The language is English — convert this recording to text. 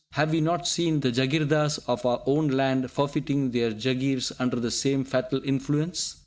Have we not seen the jagirdars of our own land forfeiting their jagirs under the same fatal influence?